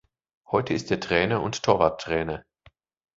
Heute ist er Trainer und Torwarttrainer.